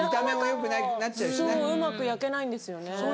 うまく焼けないんですよね。